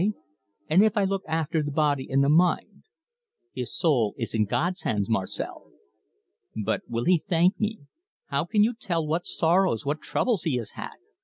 And if I look after the body and the mind?" "His soul is in God's hands, Marcel." "But will he thank me? How can you tell what sorrows, what troubles, he has had?